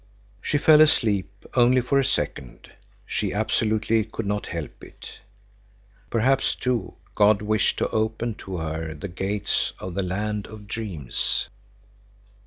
She fell asleep, only for a second; she absolutely could not help it. Perhaps, too, God wished to open to her the gates of the land of dreams.